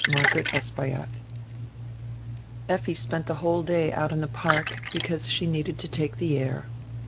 CHAPTER XXXV EFFI spent die whole day out in die park, because she needed to take die air.